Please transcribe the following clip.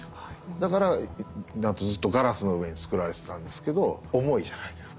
だからずっとガラスの上に作られてたんですけど重いじゃないですか。